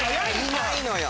いないのよ。